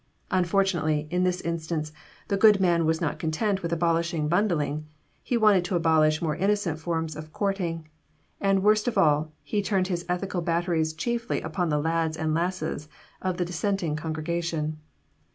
Unfortunately, in this instance, the good man was not content with abolishing bundling, he wanted to abolish more innocent forms of courting; and worst of all, he turned his ethical batteries chiefly upon the lads and lasses of the dissenting congregation.